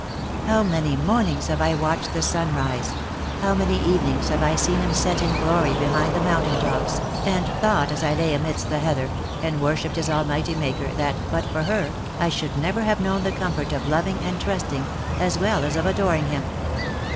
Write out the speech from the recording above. How many mornings have I watched the sun rise, how many evenings have I seen him set in glory behind the mountain tops, and thought as I lay amidst the heather, and wor shipped his Almighty Maker, that, but for her, I should never have known the comfort of loving and trusting, as well as of adoring him.